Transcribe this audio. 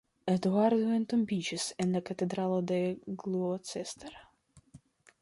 Eduardo entombiĝis en la katedralo de Gloucester.